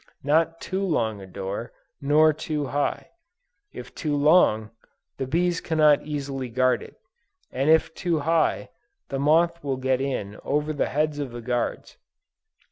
Not too long a door, nor too high. If too long, the bees cannot easily guard it, and if too high, the moth will get in over the heads of the guards.